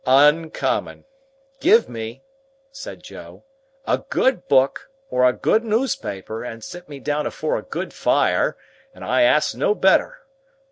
"On common. Give me," said Joe, "a good book, or a good newspaper, and sit me down afore a good fire, and I ask no better.